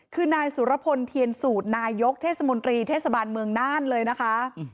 คือนายสุรพลเทียนสูตรนายกเทศมนตรีเทศบาลเมืองน่านเลยนะคะ